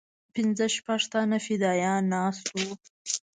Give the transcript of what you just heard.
پنځه شپږ تنه فدايان ناست وو.